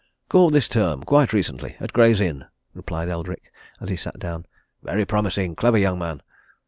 "Called this term quite recently at Gray's Inn," replied Eldrick, as he sat down. "Very promising, clever young man.